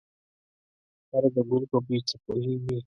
خر ده ګل په بوی څه پوهيږي.